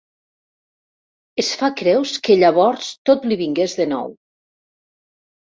Es fa creus que llavors tot li vingués de nou.